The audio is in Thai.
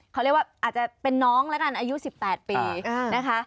เขาเรียกว่าอาจจะเป็นน้องแล้วกันอายุ๑๘ปีนะคะ